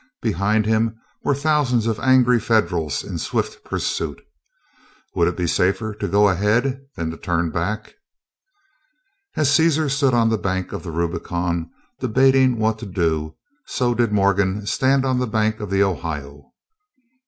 Behind him were thousands of angry Federals in swift pursuit. Would it be safer to go ahead than to turn back? As Cæsar stood on the bank of the Rubicon debating what to do, so did Morgan stand on the bank of the Ohio.